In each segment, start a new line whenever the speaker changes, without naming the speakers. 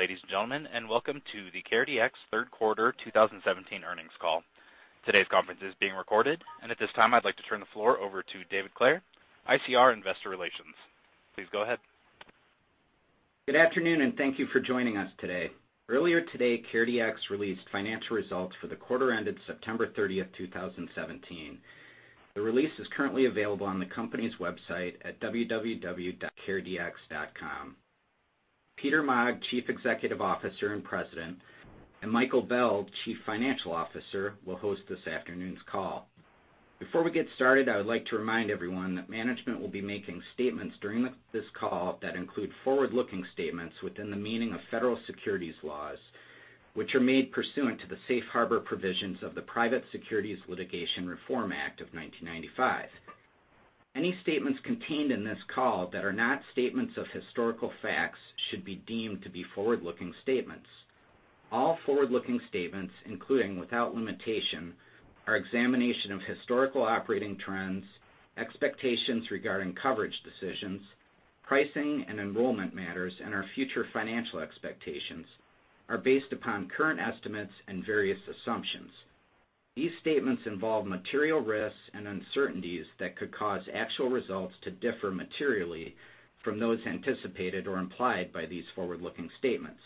Good day, ladies and gentlemen, and welcome to the CareDx third quarter 2017 earnings call. Today's conference is being recorded. At this time, I'd like to turn the floor over to David Clair, ICR investor relations. Please go ahead.
Good afternoon. Thank you for joining us today. Earlier today, CareDx released financial results for the quarter ended September 30th, 2017. The release is currently available on the company's website at www.caredx.com. Peter Maag, Chief Executive Officer and President, Michael Bell, Chief Financial Officer, will host this afternoon's call. Before we get started, I would like to remind everyone that management will be making statements during this call that include forward-looking statements within the meaning of federal securities laws, which are made pursuant to the Safe Harbor provisions of the Private Securities Litigation Reform Act of 1995. Any statements contained in this call that are not statements of historical facts should be deemed to be forward-looking statements. All forward-looking statements, including, without limitation, our examination of historical operating trends, expectations regarding coverage decisions, pricing and enrollment matters, our future financial expectations, are based upon current estimates and various assumptions. These statements involve material risks and uncertainties that could cause actual results to differ materially from those anticipated or implied by these forward-looking statements.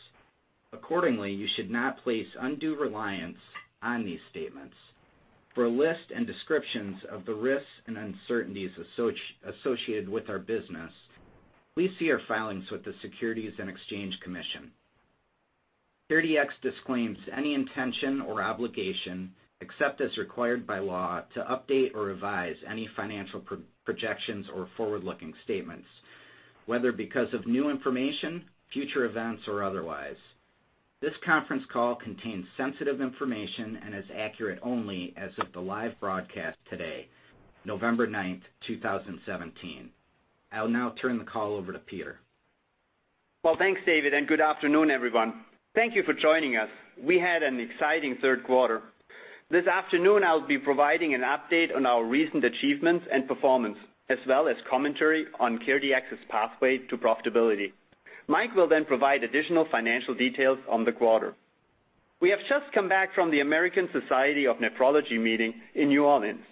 Accordingly, you should not place undue reliance on these statements. For a list and descriptions of the risks and uncertainties associated with our business, please see our filings with the Securities and Exchange Commission. CareDx disclaims any intention or obligation, except as required by law, to update or revise any financial projections or forward-looking statements, whether because of new information, future events, or otherwise. This conference call contains sensitive information and is accurate only as of the live broadcast today, November 9th, 2017. I'll now turn the call over to Peter.
Well, thanks, David. Good afternoon, everyone. Thank you for joining us. We had an exciting third quarter. This afternoon, I'll be providing an update on our recent achievements and performance, as well as commentary on CareDx's pathway to profitability. Mike will provide additional financial details on the quarter. We have just come back from the American Society of Nephrology meeting in New Orleans.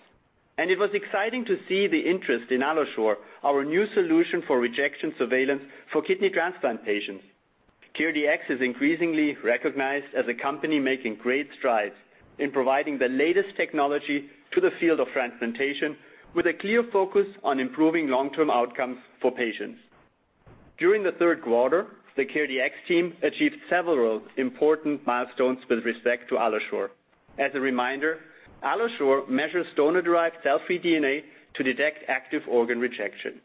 It was exciting to see the interest in AlloSure, our new solution for rejection surveillance for kidney transplant patients. CareDx is increasingly recognized as a company making great strides in providing the latest technology to the field of transplantation, with a clear focus on improving long-term outcomes for patients. During the third quarter, the CareDx team achieved several important milestones with respect to AlloSure. As a reminder, AlloSure measures donor-derived cell-free DNA to detect active organ rejection.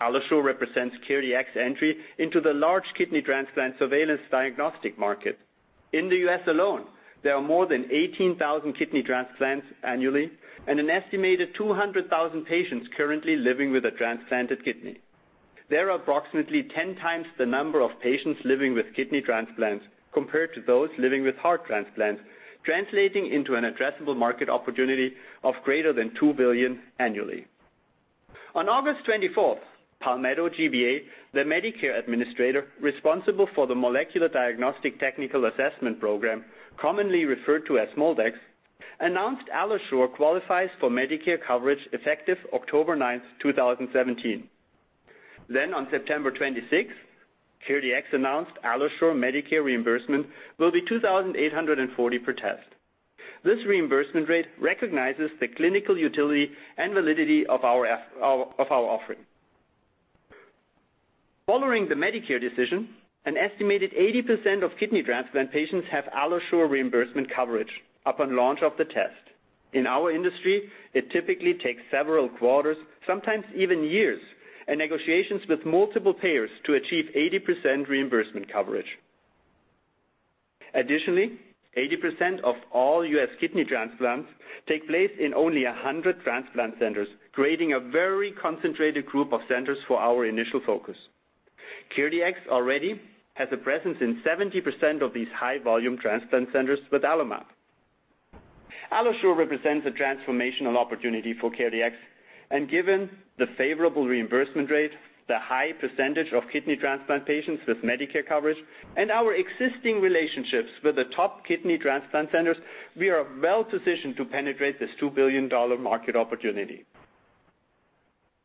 AlloSure represents CareDx entry into the large kidney transplant surveillance diagnostic market. In the U.S. alone, there are more than 18,000 kidney transplants annually and an estimated 200,000 patients currently living with a transplanted kidney. There are approximately 10 times the number of patients living with kidney transplants compared to those living with heart transplants, translating into an addressable market opportunity of greater than $2 billion annually. On August 24th, Palmetto GBA, the Medicare administrator responsible for the molecular diagnostic technical assessment program, commonly referred to as MOLDX, announced AlloSure qualifies for Medicare coverage effective October 9th, 2017. On September 26th, CareDx announced AlloSure Medicare reimbursement will be $2,840 per test. This reimbursement rate recognizes the clinical utility and validity of our offering. Following the Medicare decision, an estimated 80% of kidney transplant patients have AlloSure reimbursement coverage upon launch of the test. In our industry, it typically takes several quarters, sometimes even years, and negotiations with multiple payers to achieve 80% reimbursement coverage. Additionally, 80% of all U.S. kidney transplants take place in only 100 transplant centers, creating a very concentrated group of centers for our initial focus. CareDx already has a presence in 70% of these high-volume transplant centers with AlloMap. AlloSure represents a transformational opportunity for CareDx, given the favorable reimbursement rate, the high percentage of kidney transplant patients with Medicare coverage, and our existing relationships with the top kidney transplant centers, we are well positioned to penetrate this $2 billion market opportunity.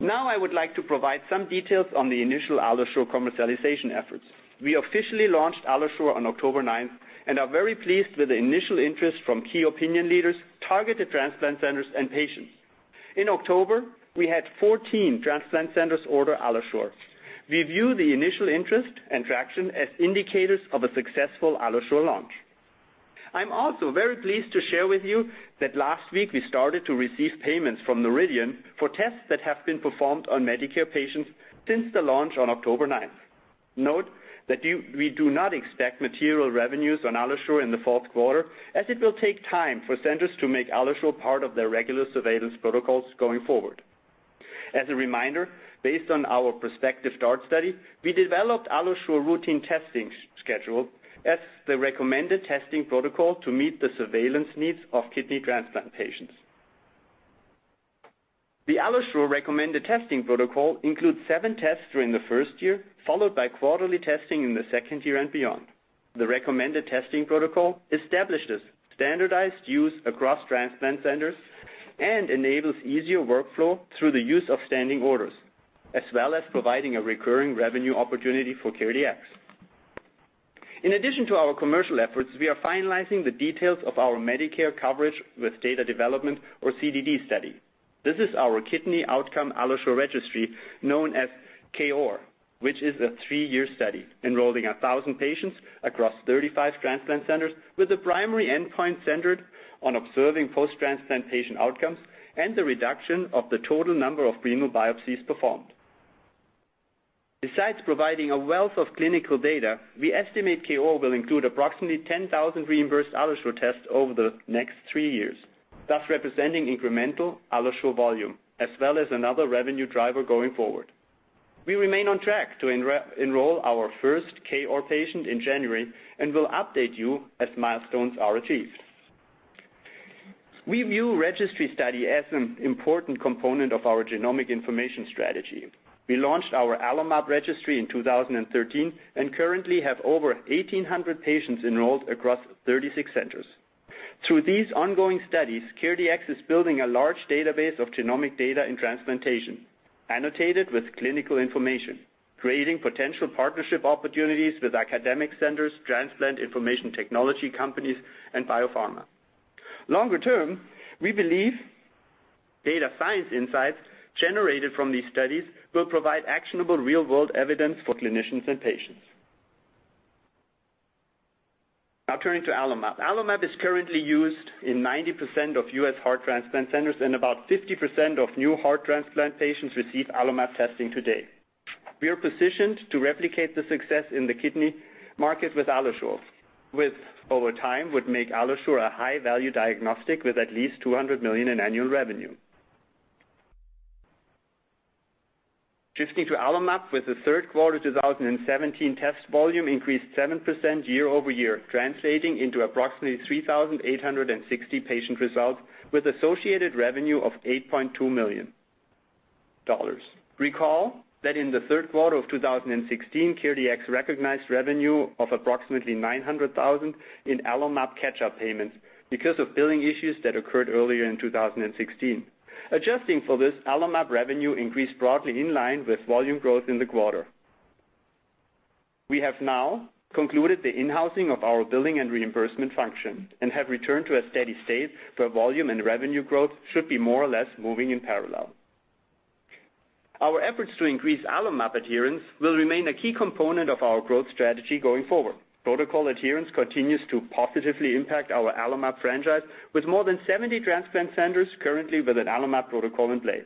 I would like to provide some details on the initial AlloSure commercialization efforts. We officially launched AlloSure on October 9th and are very pleased with the initial interest from key opinion leaders, targeted transplant centers, and patients. In October, we had 14 transplant centers order AlloSure. We view the initial interest and traction as indicators of a successful AlloSure launch. I am also very pleased to share with you that last week we started to receive payments from Noridian for tests that have been performed on Medicare patients since the launch on October 9th. Note that we do not expect material revenues on AlloSure in the fourth quarter, as it will take time for centers to make AlloSure part of their regular surveillance protocols going forward. As a reminder, based on our prospective DART study, we developed AlloSure routine testing schedule as the recommended testing protocol to meet the surveillance needs of kidney transplant patients. The AlloSure recommended testing protocol includes seven tests during the first year, followed by quarterly testing in the second year and beyond. The recommended testing protocol establishes standardized use across transplant centers and enables easier workflow through the use of standing orders, as well as providing a recurring revenue opportunity for CareDx. In addition to our commercial efforts, we are finalizing the details of our Medicare coverage with data development, or CDD study. This is our Kidney Allograft Outcomes AlloSure Registry, known as K-OR, which is a three-year study enrolling 1,000 patients across 35 transplant centers, with the primary endpoint centered on observing post-transplant patient outcomes and the reduction of the total number of renal biopsies performed. Besides providing a wealth of clinical data, we estimate K-OR will include approximately 10,000 reimbursed AlloSure tests over the next three years, thus representing incremental AlloSure volume as well as another revenue driver going forward. We remain on track to enroll our first K-OR patient in January and will update you as milestones are achieved. We view registry study as an important component of our genomic information strategy. We launched our AlloMap registry in 2013 and currently have over 1,800 patients enrolled across 36 centers. Through these ongoing studies, CareDx is building a large database of genomic data in transplantation, annotated with clinical information, creating potential partnership opportunities with academic centers, transplant information technology companies, and biopharma. Longer term, we believe data science insights generated from these studies will provide actionable real-world evidence for clinicians and patients. Now turning to AlloMap. AlloMap is currently used in 90% of U.S. heart transplant centers, and about 50% of new heart transplant patients receive AlloMap testing today. We are positioned to replicate the success in the kidney market with AlloSure, which over time would make AlloSure a high-value diagnostic with at least $200 million in annual revenue. Shifting to AlloMap with the third quarter 2017 test volume increased 7% year-over-year, translating into approximately 3,860 patient results with associated revenue of $8.2 million. Recall that in the third quarter of 2016, CareDx recognized revenue of approximately $900,000 in AlloMap catch-up payments because of billing issues that occurred earlier in 2016. Adjusting for this, AlloMap revenue increased broadly in line with volume growth in the quarter. We have now concluded the in-housing of our billing and reimbursement function and have returned to a steady state where volume and revenue growth should be more or less moving in parallel. Our efforts to increase AlloMap adherence will remain a key component of our growth strategy going forward. Protocol adherence continues to positively impact our AlloMap franchise, with more than 70 transplant centers currently with an AlloMap protocol in place.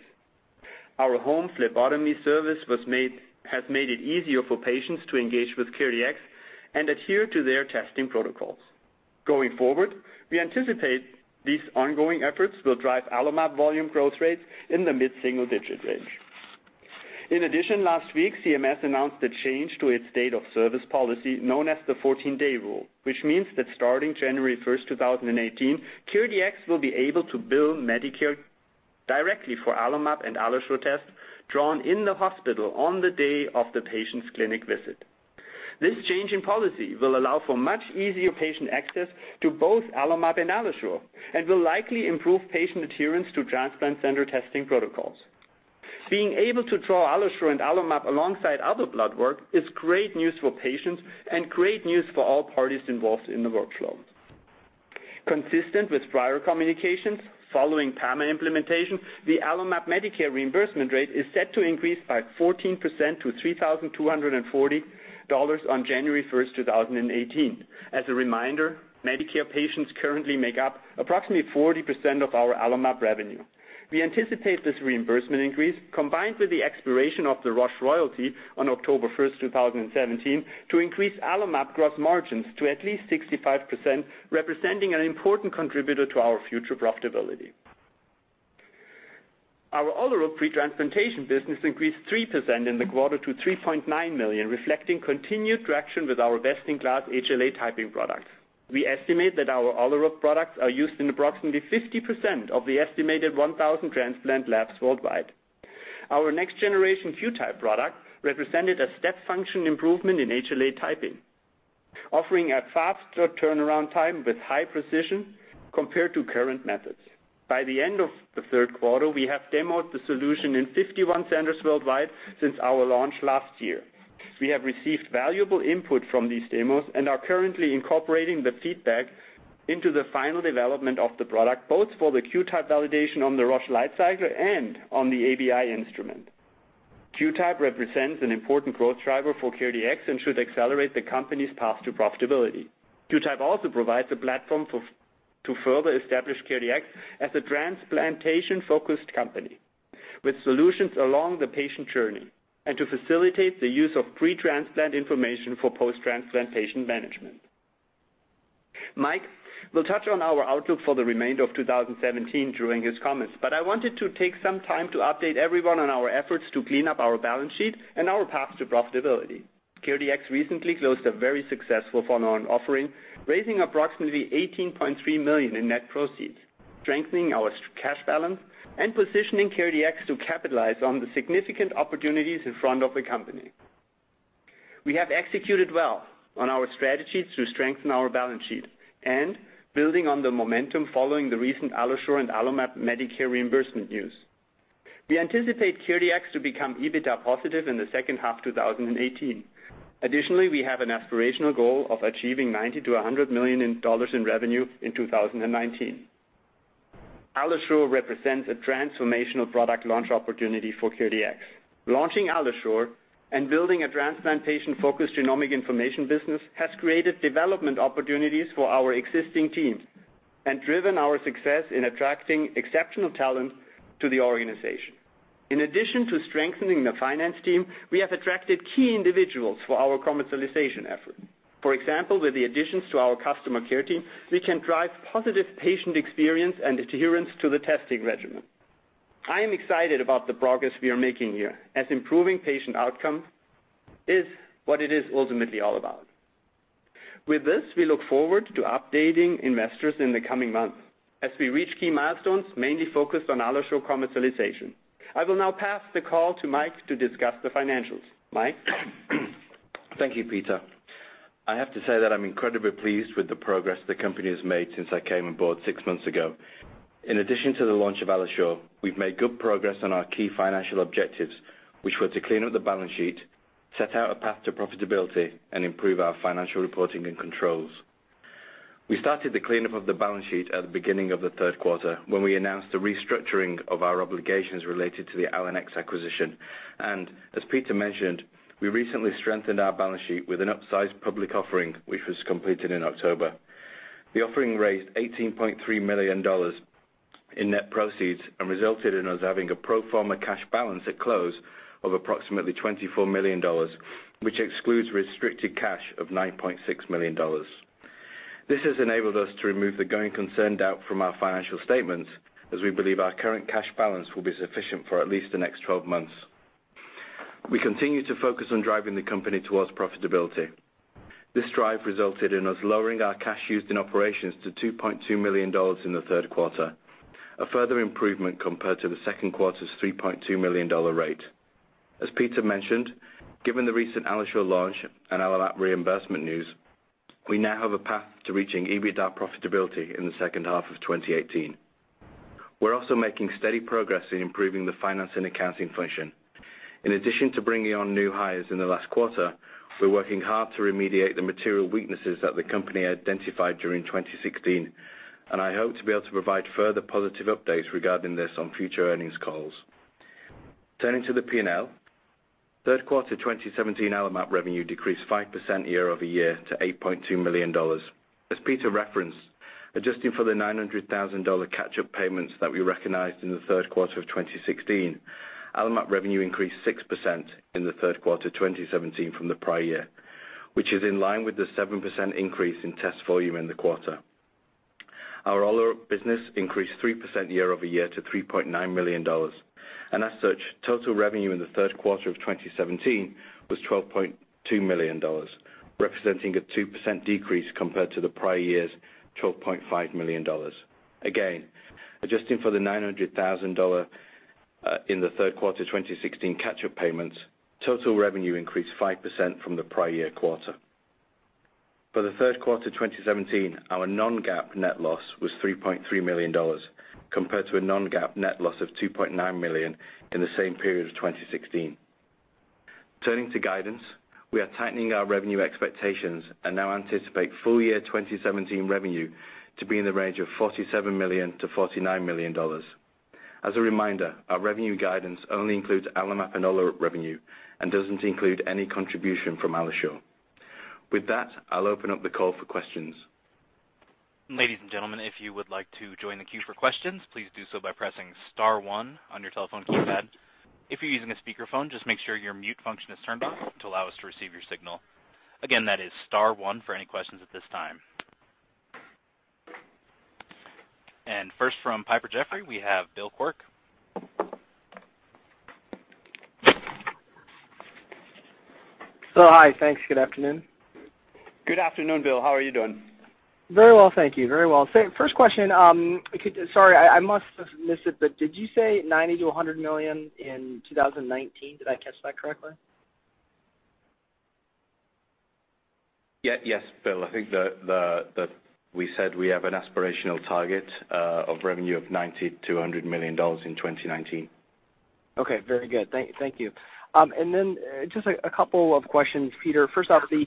Our home phlebotomy service has made it easier for patients to engage with CareDx and adhere to their testing protocols. Going forward, we anticipate these ongoing efforts will drive AlloMap volume growth rates in the mid-single digit range. In addition, last week, CMS announced a change to its date of service policy known as the 14-Day Rule, which means that starting January 1st, 2018, CareDx will be able to bill Medicare directly for AlloMap and AlloSure tests drawn in the hospital on the day of the patient's clinic visit. This change in policy will allow for much easier patient access to both AlloMap and AlloSure and will likely improve patient adherence to transplant center testing protocols. Being able to draw AlloSure and AlloMap alongside other blood work is great news for patients and great news for all parties involved in the workflow. Consistent with prior communications following PAMA implementation, the AlloMap Medicare reimbursement rate is set to increase by 14% to $3,240 on January 1st, 2018. As a reminder, Medicare patients currently make up approximately 40% of our AlloMap revenue. We anticipate this reimbursement increase combined with the expiration of the Roche royalty on October 1st, 2017, to increase AlloMap gross margins to at least 65%, representing an important contributor to our future profitability. Our AlloRead pre-transplantation business increased 3% in the quarter to $3.9 million, reflecting continued traction with our best-in-class HLA typing products. We estimate that our AlloSeq products are used in approximately 50% of the estimated 1,000 transplant labs worldwide. Our next generation QTYPE product represented a step function improvement in HLA typing, offering a faster turnaround time with high precision compared to current methods. By the end of the third quarter, we have demoed the solution in 51 centers worldwide since our launch last year. We have received valuable input from these demos and are currently incorporating the feedback into the final development of the product, both for the QTYPE validation on the Roche LightCycler and on the ABI instrument. QTYPE represents an important growth driver for CareDx and should accelerate the company's path to profitability. QTYPE also provides a platform to further establish CareDx as a transplantation-focused company with solutions along the patient journey and to facilitate the use of pre-transplant information for post-transplant patient management. Mike will touch on our outlook for the remainder of 2017 during his comments, but I wanted to take some time to update everyone on our efforts to clean up our balance sheet and our path to profitability. CareDx recently closed a very successful follow-on offering, raising approximately $18.3 million in net proceeds, strengthening our cash balance and positioning CareDx to capitalize on the significant opportunities in front of the company. We have executed well on our strategy to strengthen our balance sheet and building on the momentum following the recent AlloSure and AlloMap Medicare reimbursement news. We anticipate CareDx to become EBITDA positive in the second half of 2018. Additionally, we have an aspirational goal of achieving $90 million-$100 million in revenue in 2019. AlloSure represents a transformational product launch opportunity for CareDx. Launching AlloSure and building a transplantation-focused genomic information business has created development opportunities for our existing teams and driven our success in attracting exceptional talent to the organization. In addition to strengthening the finance team, we have attracted key individuals for our commercialization effort. For example, with the additions to our customer care team, we can drive positive patient experience and adherence to the testing regimen. I am excited about the progress we are making here, as improving patient outcome is what it is ultimately all about. With this, we look forward to updating investors in the coming months as we reach key milestones, mainly focused on AlloSure commercialization. I will now pass the call to Mike to discuss the financials. Mike?
Thank you, Peter. I have to say that I'm incredibly pleased with the progress the company has made since I came on board six months ago. In addition to the launch of AlloSure, we've made good progress on our key financial objectives, which were to clean up the balance sheet, set out a path to profitability, and improve our financial reporting and controls. We started the cleanup of the balance sheet at the beginning of the third quarter, when we announced the restructuring of our obligations related to the Allenex acquisition. As Peter mentioned, we recently strengthened our balance sheet with an upsized public offering, which was completed in October. The offering raised $18.3 million in net proceeds and resulted in us having a pro forma cash balance at close of approximately $24 million, which excludes restricted cash of $9.6 million. This has enabled us to remove the going concern doubt from our financial statements, as we believe our current cash balance will be sufficient for at least the next 12 months. We continue to focus on driving the company towards profitability. This drive resulted in us lowering our cash used in operations to $2.2 million in the third quarter, a further improvement compared to the second quarter's $3.2 million rate. As Peter mentioned, given the recent AlloSure launch and AlloMap reimbursement news, we now have a path to reaching EBITDA profitability in the second half of 2018. We're also making steady progress in improving the finance and accounting function. In addition to bringing on new hires in the last quarter, we're working hard to remediate the material weaknesses that the company identified during 2016, I hope to be able to provide further positive updates regarding this on future earnings calls. Turning to the P&L, third quarter 2017 AlloMap revenue decreased 5% year-over-year to $8.2 million. As Peter referenced, adjusting for the $900,000 catch-up payments that we recognized in the third quarter of 2016, AlloMap revenue increased 6% in the third quarter 2017 from the prior year, which is in line with the 7% increase in test volume in the quarter. Our Allenex business increased 3% year-over-year to $3.9 million. As such, total revenue in the third quarter of 2017 was $12.2 million, representing a 2% decrease compared to the prior year's $12.5 million. Adjusting for the $900,000 in the third quarter 2016 catch-up payments, total revenue increased 5% from the prior year quarter. For the third quarter 2017, our non-GAAP net loss was $3.3 million, compared to a non-GAAP net loss of $2.9 million in the same period of 2016. Turning to guidance, we are tightening our revenue expectations and now anticipate full year 2017 revenue to be in the range of $47 million-$49 million. As a reminder, our revenue guidance only includes AlloMap and AlloSure revenue and doesn't include any contribution from AlloSure. With that, I'll open up the call for questions.
Ladies and gentlemen, if you would like to join the queue for questions, please do so by pressing *1 on your telephone keypad. If you're using a speakerphone, just make sure your mute function is turned on to allow us to receive your signal. That is *1 for any questions at this time. First from Piper Jaffray, we have Bill Quirk.
hi. Thanks. Good afternoon.
Good afternoon, Bill. How are you doing?
Very well, thank you. Very well. First question. Sorry, I must have missed it, did you say $90 million-$100 million in 2019? Did I catch that correctly?
Yes, Bill, I think that we said we have an aspirational target of revenue of $90 million-$100 million in 2019.
Okay. Very good. Thank you. Just a couple of questions, Peter. First off, the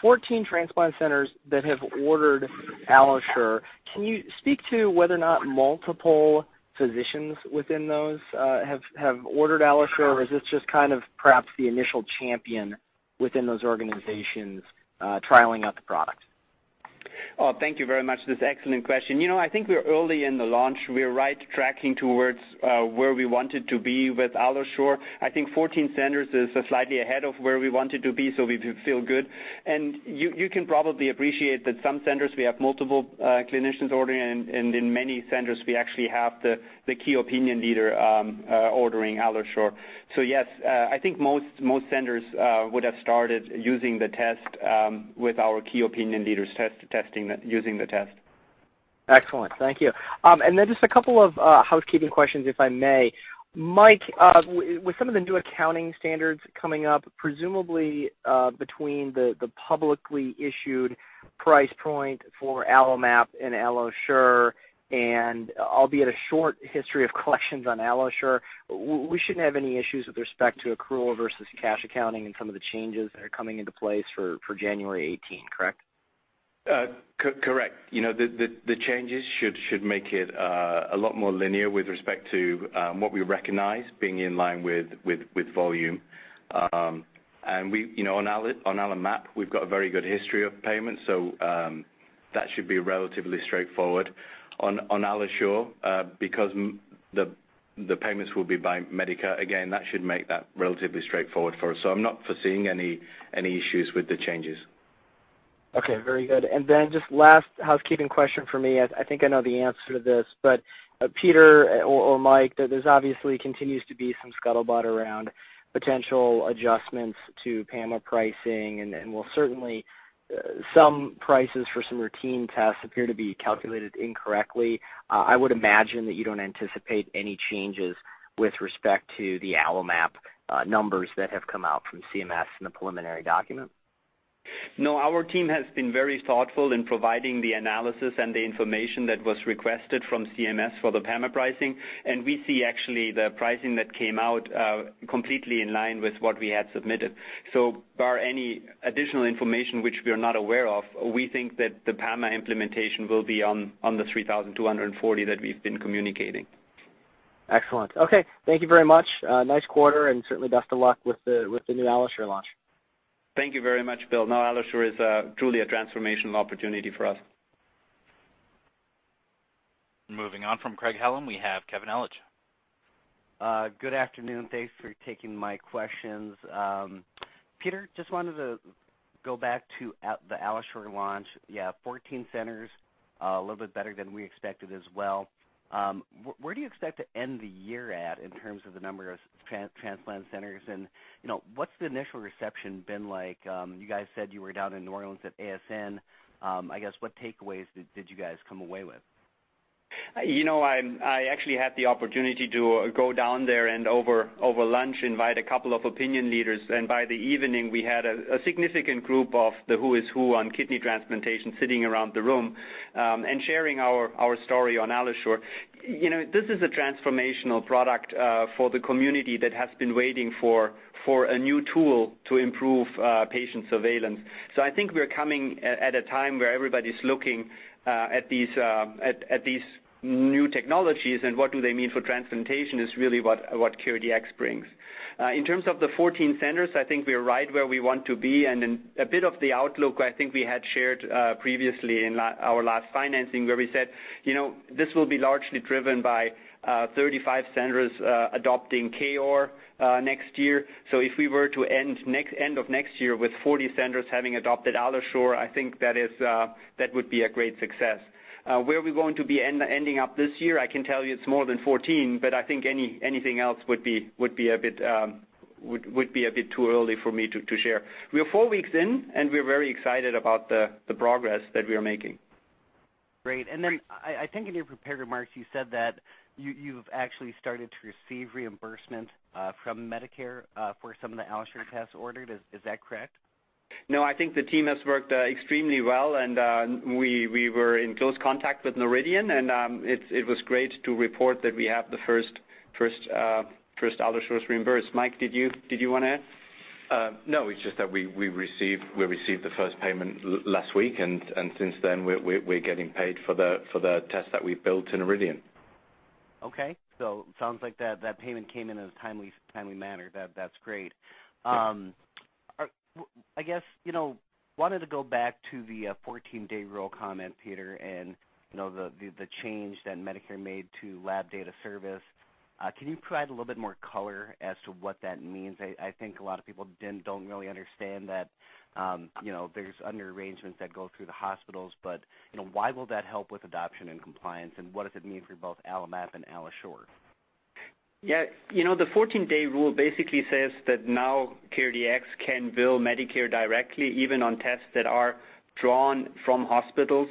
14 transplant centers that have ordered AlloSure, can you speak to whether or not multiple physicians within those have ordered AlloSure? Or is this just perhaps the initial champion within those organizations trialing out the product?
Thank you very much for this excellent question. I think we're early in the launch. We're right tracking towards where we wanted to be with AlloSure. I think 14 centers is slightly ahead of where we wanted to be, we feel good. You can probably appreciate that some centers we have multiple clinicians ordering, and in many centers, we actually have the key opinion leader ordering AlloSure. Yes, I think most centers would have started using the test with our key opinion leaders using the test.
Excellent. Thank you. Just a couple of housekeeping questions, if I may. Mike, with some of the new accounting standards coming up, presumably between the publicly issued price point for AlloMap and AlloSure, and albeit a short history of collections on AlloSure, we shouldn't have any issues with respect to accrual versus cash accounting and some of the changes that are coming into place for January 2018, correct?
Correct. The changes should make it a lot more linear with respect to what we recognize being in line with volume. On AlloMap, we've got a very good history of payments, so that should be relatively straightforward. On AlloSure, because the payments will be by Medicare, again, that should make that relatively straightforward for us. I'm not foreseeing any issues with the changes.
Okay, very good. Just last housekeeping question from me. I think I know the answer to this, but Peter or Mike, there obviously continues to be some scuttlebutt around potential adjustments to PAMA pricing. While certainly some prices for some routine tests appear to be calculated incorrectly, I would imagine that you don't anticipate any changes with respect to the AlloMap numbers that have come out from CMS in the preliminary document.
No, our team has been very thoughtful in providing the analysis and the information that was requested from CMS for the PAMA pricing. We see actually the pricing that came out completely in line with what we had submitted. Bar any additional information which we are not aware of, we think that the PAMA implementation will be on the 3,240 that we've been communicating.
Excellent. Okay, thank you very much. Nice quarter, certainly best of luck with the new AlloSure launch.
Thank you very much, Bill. No, AlloSure is truly a transformational opportunity for us.
Moving on from Craig-Hallum, we have Kevin Ellich.
Good afternoon. Thanks for taking my questions. Peter, just wanted to go back to the AlloSure launch. You have 14 centers, a little bit better than we expected as well. Where do you expect to end the year at in terms of the number of transplant centers, and what's the initial reception been like? You guys said you were down in New Orleans at ASN. I guess, what takeaways did you guys come away with?
I actually had the opportunity to go down there and over lunch, invite a couple of opinion leaders, and by the evening, we had a significant group of the who is who on kidney transplantation sitting around the room and sharing our story on AlloSure. This is a transformational product for the community that has been waiting for a new tool to improve patient surveillance. I think we're coming at a time where everybody's looking at these new technologies and what do they mean for transplantation is really what CareDx brings. In terms of the 14 centers, I think we are right where we want to be, and a bit of the outlook I think we had shared previously in our last financing where we said this will be largely driven by 35 centers adopting KOAR next year. If we were to end of next year with 40 centers having adopted AlloSure, I think that would be a great success. Where we going to be ending up this year, I can tell you it's more than 14, but I think anything else would be a bit too early for me to share. We are four weeks in, and we are very excited about the progress that we are making.
Great. I think in your prepared remarks, you said that you've actually started to receive reimbursement from Medicare for some of the AlloSure tests ordered. Is that correct?
No, I think the team has worked extremely well and we were in close contact with Noridian, and it was great to report that we have the first AlloSures reimbursed. Mike, did you want to add?
No, it's just that we received the first payment last week, since then, we're getting paid for the tests that we've billed to Noridian.
Okay. Sounds like that payment came in in a timely manner. That's great.
Yeah.
I guess, wanted to go back to the 14-Day Rule comment, Peter, and the change that Medicare made to lab data service. Can you provide a little bit more color as to what that means? I think a lot of people don't really understand that there's under arrangements that go through the hospitals, but why will that help with adoption and compliance, and what does it mean for both AlloMap and AlloSure?
Yeah. The 14-Day Rule basically says that now CareDx can bill Medicare directly, even on tests that are drawn from hospitals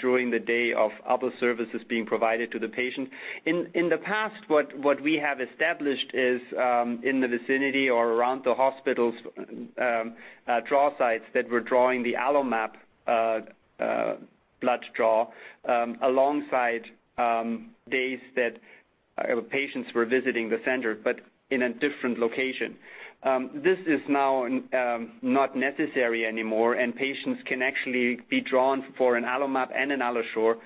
during the day of other services being provided to the patient. In the past, what we have established is in the vicinity or around the hospitals draw sites that were drawing the AlloMap blood draw alongside days that patients were visiting the center, but in a different location. This is now not necessary anymore, and patients can actually be drawn for an AlloMap and an AlloSure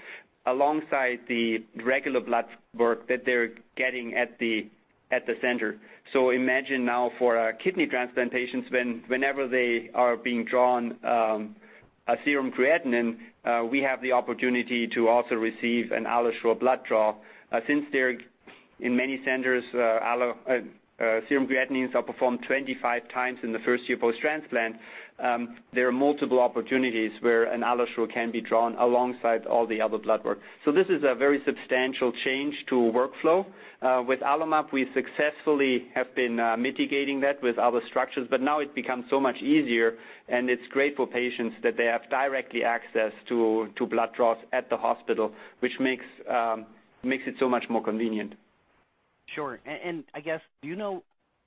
alongside the regular blood work that they're getting at the center. Imagine now for our kidney transplant patients, whenever they are being drawn a serum creatinine, we have the opportunity to also receive an AlloSure blood draw. Since they're in many centers, serum creatinines are performed 25 times in the first year post-transplant. There are multiple opportunities where an AlloSure can be drawn alongside all the other blood work. This is a very substantial change to workflow. With AlloMap, we successfully have been mitigating that with other structures, but now it's become so much easier, and it's great for patients that they have direct access to blood draws at the hospital, which makes it so much more convenient.
Sure. I guess, do you know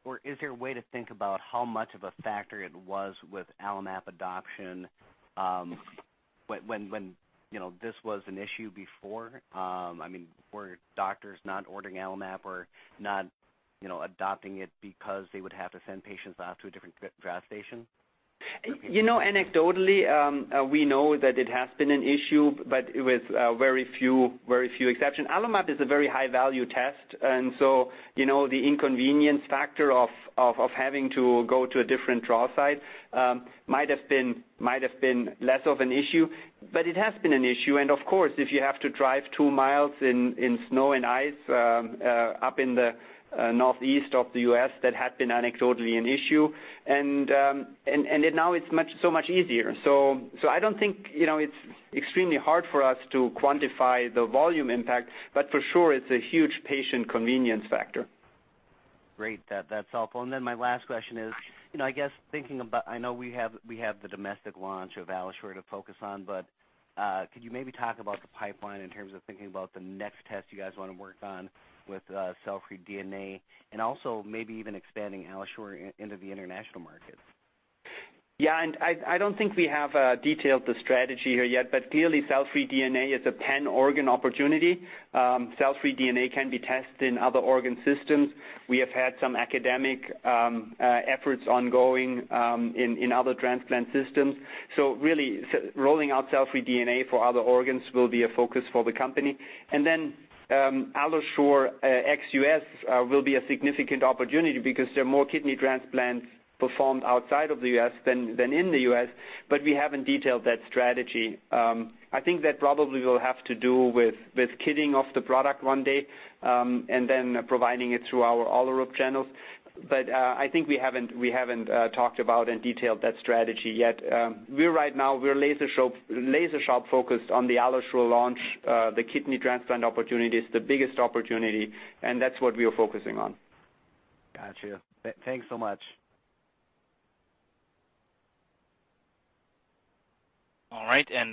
or is there a way to think about how much of a factor it was with AlloMap adoption when this was an issue before? Were doctors not ordering AlloMap or not adopting it because they would have to send patients off to a different draw station?
Anecdotally, we know that it has been an issue, but with very few exceptions. AlloMap is a very high-value test, the inconvenience factor of having to go to a different draw site might have been less of an issue. It has been an issue, and of course, if you have to drive two miles in snow and ice up in the northeast of the U.S., that had been anecdotally an issue. Now it's so much easier. I don't think it's extremely hard for us to quantify the volume impact, but for sure, it's a huge patient convenience factor.
Great. That's helpful. My last question is, I guess thinking about, I know we have the domestic launch of AlloSure to focus on, could you maybe talk about the pipeline in terms of thinking about the next test you guys want to work on with cell-free DNA, and also maybe even expanding AlloSure into the international markets?
Yeah, I don't think we have detailed the strategy here yet, clearly cell-free DNA is a 10-organ opportunity. Cell-free DNA can be tested in other organ systems. We have had some academic efforts ongoing in other transplant systems. Really, rolling out cell-free DNA for other organs will be a focus for the company. AlloSure ex-U.S. will be a significant opportunity because there are more kidney transplants performed outside of the U.S. than in the U.S., we haven't detailed that strategy. I think that probably will have to do with kitting off the product one day and then providing it through our Allenex channels. I think we haven't talked about and detailed that strategy yet. We right now, we're laser sharp focused on the AlloSure launch. The kidney transplant opportunity is the biggest opportunity, and that's what we are focusing on.
Got you. Thanks so much.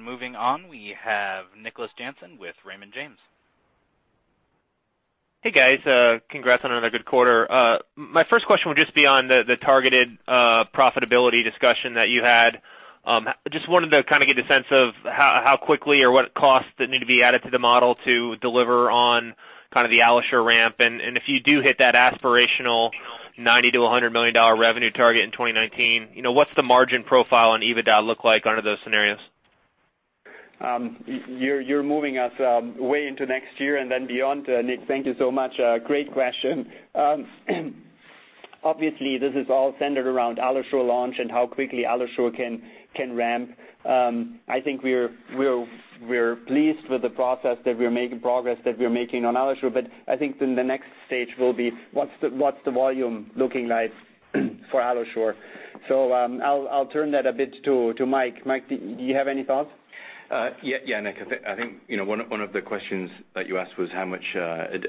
Moving on, we have Nicholas Jansen with Raymond James.
Hey, guys. Congrats on another good quarter. My first question will just be on the targeted profitability discussion that you had. Just wanted to kind of get a sense of how quickly or what costs that need to be added to the model to deliver on the AlloSure ramp. If you do hit that aspirational $90 million-$100 million revenue target in 2019, what's the margin profile on EBITDA look like under those scenarios?
You're moving us way into next year and then beyond, Nick. Thank you so much. Great question. Obviously, this is all centered around AlloSure launch and how quickly AlloSure can ramp. I think we're pleased with the progress that we are making on AlloSure, I think then the next stage will be what's the volume looking like for AlloSure. I'll turn that a bit to Mike. Mike, do you have any thoughts?
Yeah, Nick, I think one of the questions that you asked was how much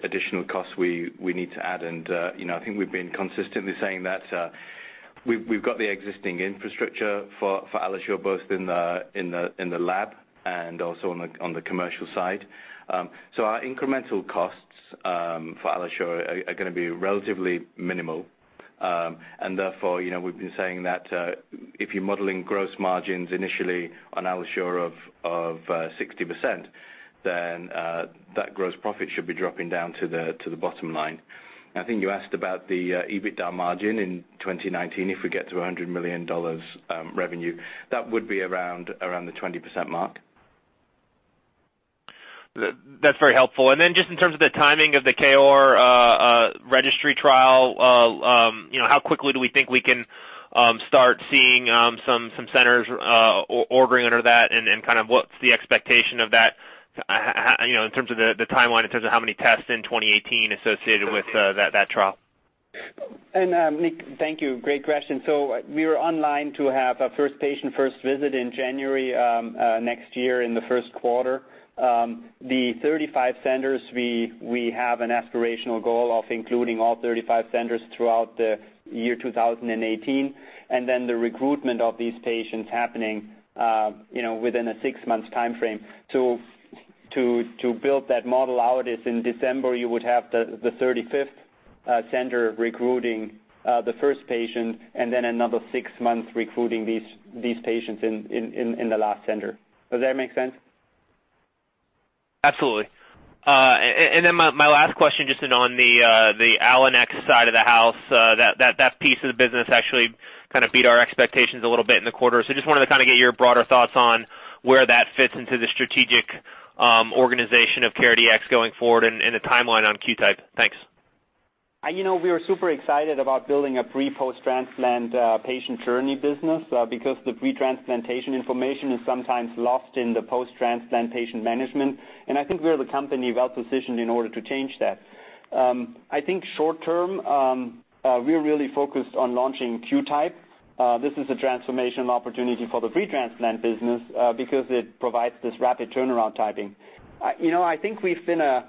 additional costs we need to add, I think we've been consistently saying that we've got the existing infrastructure for AlloSure, both in the lab and also on the commercial side. Our incremental costs for AlloSure are going to be relatively minimal. Therefore, we've been saying that if you're modeling gross margins initially on AlloSure of 60%, then that gross profit should be dropping down to the bottom line. I think you asked about the EBITDA margin in 2019 if we get to $100 million revenue. That would be around the 20% mark.
That's very helpful. Then just in terms of the timing of the KOAR registry trial, how quickly do we think we can start seeing some centers ordering under that and kind of what's the expectation of that in terms of the timeline, in terms of how many tests in 2018 associated with that trial?
Nick, thank you. Great question. We are online to have a first patient first visit in January, next year in the first quarter. The 35 centers, we have an aspirational goal of including all 35 centers throughout the year 2018, then the recruitment of these patients happening within a six months timeframe. To build that model out is in December, you would have the 35th center recruiting the first patient, then another six months recruiting these patients in the last center. Does that make sense?
Absolutely. Then my last question, just in on the Allenex side of the house, that piece of the business actually kind of beat our expectations a little bit in the quarter. Just wanted to kind of get your broader thoughts on where that fits into the strategic organization of CareDx going forward and the timeline on QType. Thanks.
We are super excited about building a pre/post-transplant patient journey business because the pre-transplantation information is sometimes lost in the post-transplantation management. I think we are the company well positioned in order to change that. I think short term, we are really focused on launching QType. This is a transformation opportunity for the pre-transplant business because it provides this rapid turnaround typing. I think we've been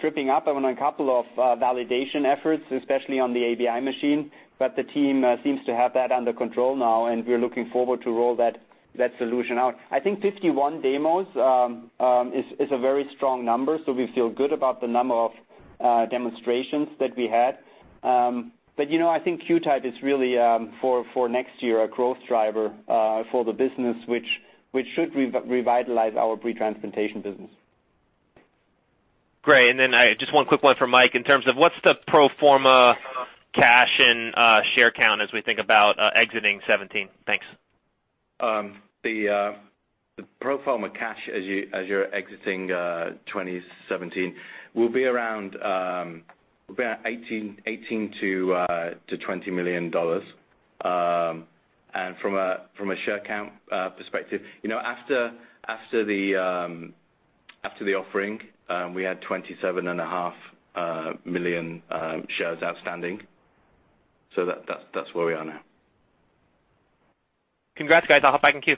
tripping up on a couple of validation efforts, especially on the ABI machine, the team seems to have that under control now, we're looking forward to roll that solution out. I think 51 demos is a very strong number, so we feel good about the number of demonstrations that we had. I think QType is really, for next year, a growth driver for the business, which should revitalize our pre-transplantation business.
Great. Just one quick one from Mike in terms of what's the pro forma cash and share count as we think about exiting 2017? Thanks.
The pro forma cash as you're exiting 2017 will be around $18 million-$20 million. From a share count perspective, after the offering, we had 27.5 million shares outstanding. That's where we are now.
Congrats, guys. I'll hop back in queue.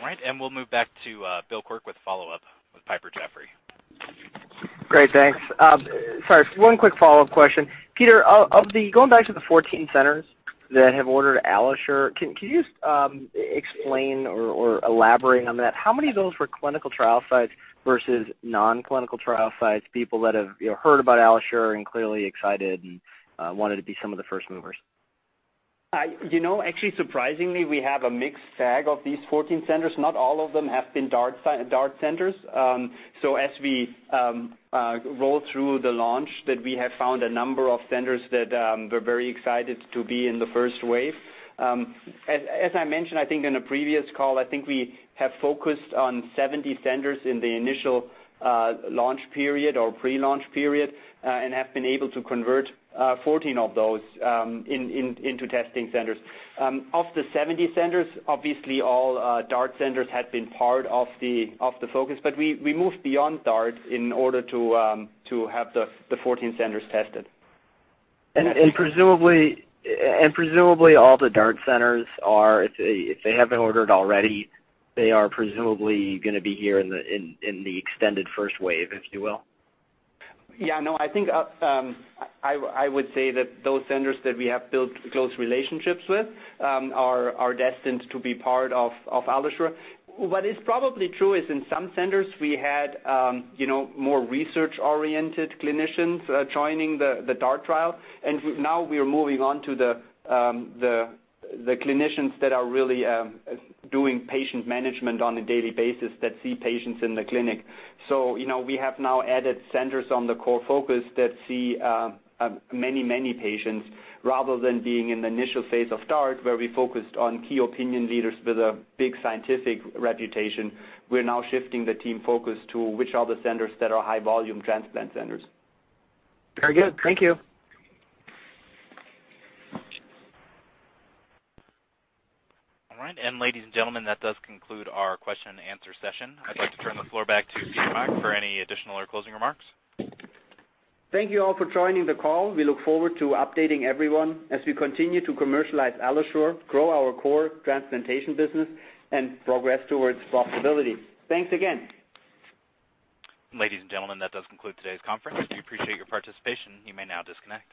All right. We'll move back to Bill Quirk with follow-up with Piper Jaffray.
Great, thanks. Sorry, one quick follow-up question. Peter, going back to the 14 centers that have ordered AlloSure, can you explain or elaborate on that? How many of those were clinical trial sites versus non-clinical trial sites, people that have heard about AlloSure and clearly excited and wanted to be some of the first movers?
Actually, surprisingly, we have a mixed bag of these 14 centers. Not all of them have been DART centers. As we roll through the launch, we have found a number of centers that were very excited to be in the first wave. As I mentioned, I think in a previous call, I think we have focused on 70 centers in the initial launch period or pre-launch period, and have been able to convert 14 of those into testing centers. Of the 70 centers, obviously all DART centers had been part of the focus, but we moved beyond DART in order to have the 14 centers tested.
Presumably, all the DART centers are, if they haven't ordered already, they are presumably going to be here in the extended first wave, if you will?
Yeah, no, I think I would say that those centers that we have built close relationships with are destined to be part of AlloSure. What is probably true is in some centers we had more research-oriented clinicians joining the DART trial, and now we are moving on to the clinicians that are really doing patient management on a daily basis, that see patients in the clinic. We have now added centers on the core focus that see many, many patients, rather than being in the initial phase of DART, where we focused on key opinion leaders with a big scientific reputation. We're now shifting the team focus to which are the centers that are high-volume transplant centers.
Very good. Thank you.
All right, and ladies and gentlemen, that does conclude our question and answer session. I'd like to turn the floor back to Peter Ma for any additional or closing remarks.
Thank you all for joining the call. We look forward to updating everyone as we continue to commercialize AlloSure, grow our core transplantation business, and progress towards profitability. Thanks again.
Ladies and gentlemen, that does conclude today's conference. We appreciate your participation. You may now disconnect.